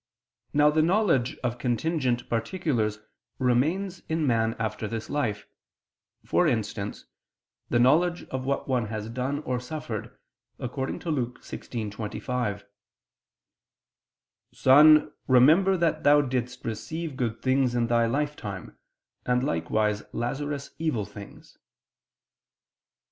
Now the knowledge of contingent particulars remains in man after this life; for instance, the knowledge of what one has done or suffered, according to Luke 16:25: "Son, remember that thou didst receive good things in thy life time, and likewise Lazarus evil things."